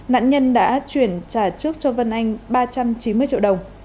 nạn nhân đã chuyển trả trước cho vân anh ba trăm chín mươi triệu đồng